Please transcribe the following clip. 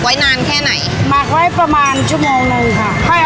อันนี้พริกไทย